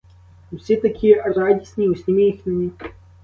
Всі такі радісні, усміхнені.